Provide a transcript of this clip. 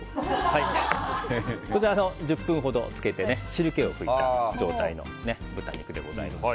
１０分ほど漬けて汁気を拭いた状態の豚肉でございます。